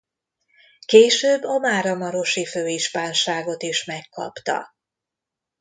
Később a máramarosi főispánságot is megkapta.